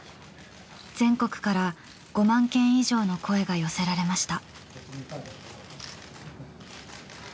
全国から５万件以上の声が寄せられました。